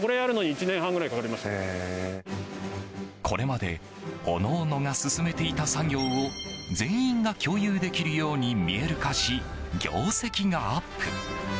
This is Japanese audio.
これまで各々が進めていた作業を全員が共有できるように見える化し業績がアップ。